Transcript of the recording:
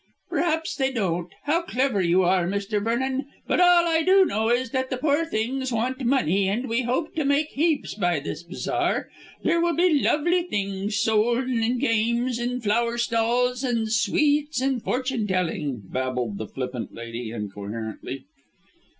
"Perhaps they don't; how clever you are, Mr. Vernon. But all I do know is that the poor things want money, and we hope to make heaps by this bazaar. There will be lovely things sold, and games and flower stalls and sweets and fortune telling," babbled the flippant lady incoherently.